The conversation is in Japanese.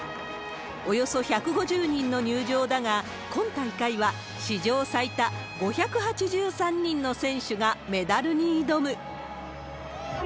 およそ１５０人の入場だが、今大会は史上最多５８３人の選手がメダルに挑む。